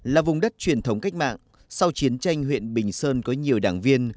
là vùng đất truyền thống cách mạng sau chiến tranh huyện bình sơn có nhiều đảng viên